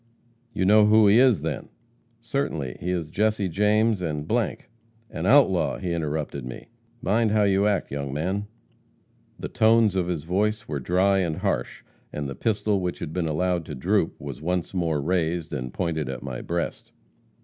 'You know who he is then?' 'Certainly, he is Jesse James and .' 'An outlaw!' he interrupted me. 'Mind how you act, young man.' The tones of his voice were dry and harsh, and the pistol which had been allowed to droop was once more raised, and pointed at my breast.